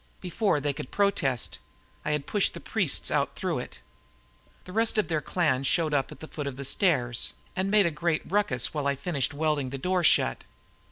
Before they could protest, I had pushed the priests out through it. The rest of their clan showed up at the foot of the stairs and made a great ruckus while I finished welding the door shut.